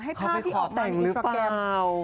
ให้ภาพที่ออกมาในอินสตราแกรม